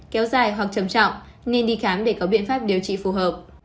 kéo dài hoặc trầm trọng nên đi khám để có biện pháp điều trị phù hợp